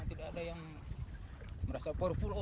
tidak ada yang merasa poro pulau